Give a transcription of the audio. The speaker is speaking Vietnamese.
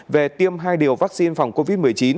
về tiêm hai liều vaccine phòng covid một mươi chín